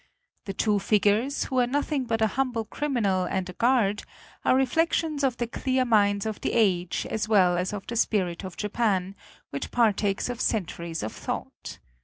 The two figures, who are nothing but a humble criminal and a guard, are reflections of the clear minds of the age as well as of the spirit of Japan, which partakes of centuries of thought.